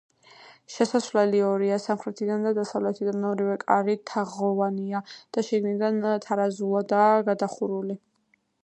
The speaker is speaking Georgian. შესასვლელი ორია, სამხრეთიდან და დასავლეთიდან ორივე კარი თაღოვანია და შიგნიდან თარაზულადაა გადახურული.